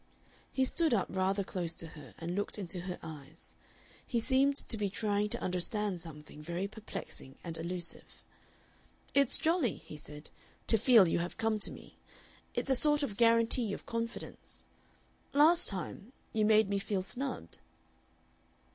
He stood up rather close to her and looked into her eyes. He seemed to be trying to understand something very perplexing and elusive. "It's jolly," he said, "to feel you have come to me. It's a sort of guarantee of confidence. Last time you made me feel snubbed."